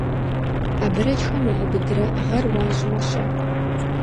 Абрэджхэм уаубыдрэ гъэр уащӀмэ-щэ?